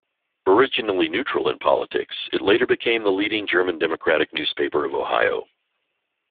Originally neutral in politics, it later became the leading German Democratic newspaper of Ohio.